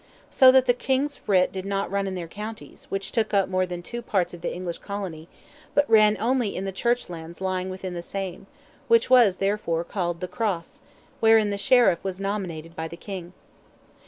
So that the king's writs did not run in their counties, which took up more than two parts of the English colony; but ran only in the church lands lying within the same, which was therefore called THE CROSSE, wherein the Sheriff was nominated by the King.